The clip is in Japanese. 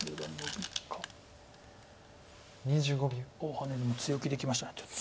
ハネでも強気できましたちょっと。